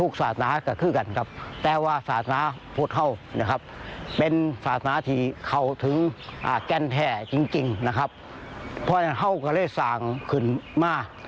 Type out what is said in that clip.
แก้นแท้จริงนะครับเพราะฉะนั้นเขาก็เลยสร้างขึ้นมา